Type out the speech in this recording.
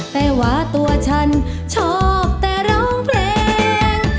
แต่ว่าตัวฉันชอบแต่ร้องเพลง